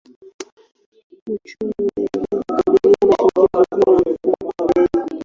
Uchumi unaendelea kukabiliwa na shinikizo kubwa la mfumuko wa bei.